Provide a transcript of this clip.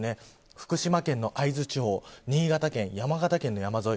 福島県の会津地方新潟県、山形県の山沿い